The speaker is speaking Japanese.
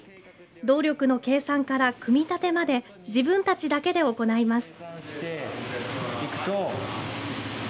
動力の計算から組み立てまで自分たちだけで行います。